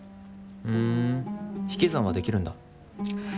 ふん引き算はできるんだ。